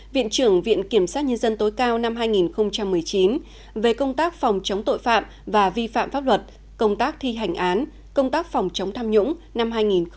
viện trưởng viện kiểm sát nhân dân tối cao năm hai nghìn một mươi chín về công tác phòng chống tội phạm và vi phạm pháp luật công tác thi hành án công tác phòng chống tham nhũng năm hai nghìn một mươi chín